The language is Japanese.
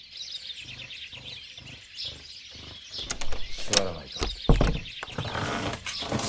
座らないか？